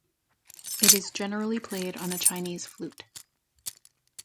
It is generally played on a Chinese flute.